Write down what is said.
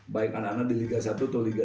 baik anak anak di liga satu atau liga dua